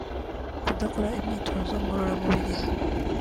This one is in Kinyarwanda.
kudakora imyitozo ngororamubiri